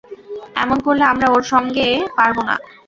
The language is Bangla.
এমন করলে আমরা ওর সঙ্গে পারব না।